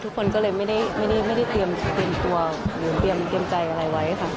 ทุกคนก็เลยไม่ได้เตรียมตัวหรือเตรียมใจอะไรไว้ค่ะ